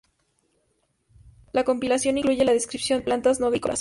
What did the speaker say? La compilación incluye la descripción de plantas no agrícolas.